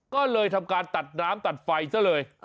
ก็เลยทำการตัดน้ำตัดไฟซะเลย